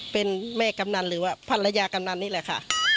เป็นแม่กำนันหรือว่าภรรยากำนันนี่แหละค่ะ